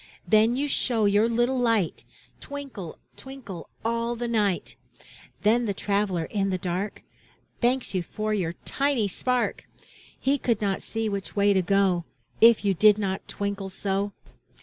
Then you show your little light, Twinkle, twinkle, all the night. Then the traveler in the dark. Thanks you for your tiny spark ! He could not see which way to go, If you did not twinkle so.